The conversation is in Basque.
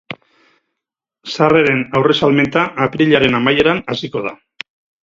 Sarreren aurresalmenta apirilaren amaieran hasiko da.